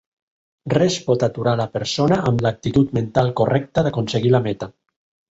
Res pot aturar la persona amb l'actitud mental correcta d'aconseguir la meta.